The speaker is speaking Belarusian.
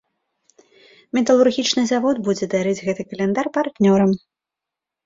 Металургічны завод будзе дарыць гэты каляндар партнёрам.